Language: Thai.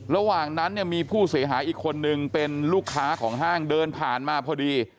ระหว่างนั้นเนี่ยมีผู้เสียหายอีกคนนึงเป็นลูกค้าของห้างเดินผ่านมาพอดี